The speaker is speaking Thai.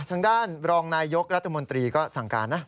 ทางด้านรองนายยกรัฐมนตรีก็สั่งการนะ